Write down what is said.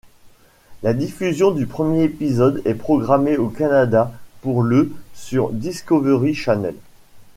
La diffusion du premier épisode est programmé au Canada pour le sur Discovery Channel.